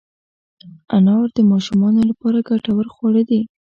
انار د ماشومانو لپاره ګټور خواړه دي.